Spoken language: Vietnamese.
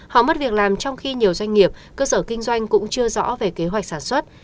họ mất việc làm trong khi nhiều doanh nghiệp cơ sở kinh doanh cũng chưa rõ về kế hoạch sản xuất